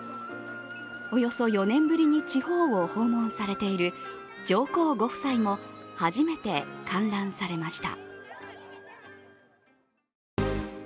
およそ４年ぶりに地方を訪問されている上皇ご夫妻も初めて観覧されました。